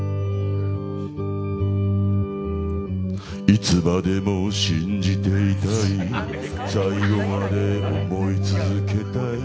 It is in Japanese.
いつまでも信じていたい最後まで思い続けたい。